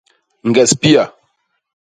Ñges pia.